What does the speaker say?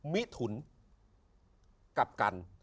มิถุนกับกัน